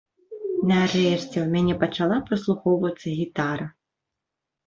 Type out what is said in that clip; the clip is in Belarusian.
Нарэшце, у мяне пачала праслухоўвацца гітара!